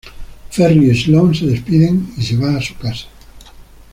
Ferris y Sloane se despiden y se va a su casa.